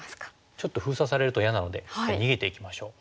ちょっと封鎖されると嫌なので逃げていきましょう。